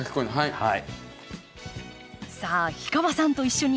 はい。